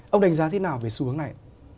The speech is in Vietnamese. ông đánh giá thế nào về xu hướng này